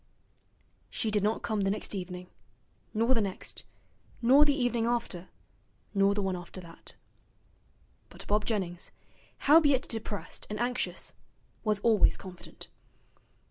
She did not come the next evening, nor the next, nor the evening after, nor the one after that. But Bob Jennings, howbeit depressed and anxious, was always confident.